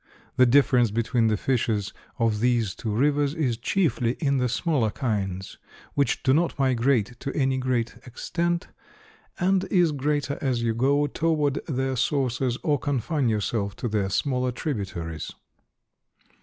The difference between the fishes of these two rivers is chiefly in the smaller kinds, which do not migrate to any great extent, and is greater as you go toward their sources, or confine yourself to their smaller tributaries.